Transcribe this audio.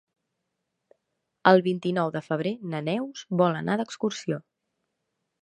El vint-i-nou de febrer na Neus vol anar d'excursió.